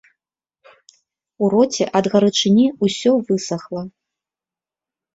У роце ад гарачыні ўсё высахла.